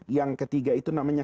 yang ketiga itu namanya